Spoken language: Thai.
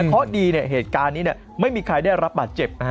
เพราะดีเหตุการณ์นี้ไม่มีใครได้รับบาดเจ็บ